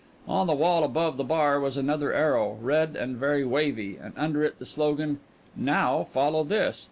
On the wall above the bar was another arrow, red and very wavy, and under it the slogan: "Now follow this!"